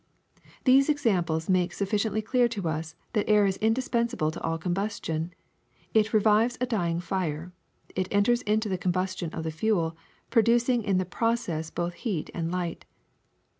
*^ These examples make suflSciently clear to us that air is indispensable to all combustion; it revives a dying fire ; it enters into the consumption of the fuel, producing in the process both heat and light.